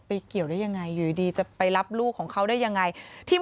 เกี่ยวได้ยังไงอยู่ดีจะไปรับลูกของเขาได้ยังไงที่